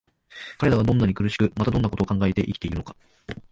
彼等がどんなに苦しく、またどんな事を考えて生きているのか、